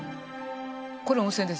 これ温泉です